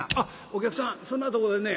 「お客さんそんなとこでね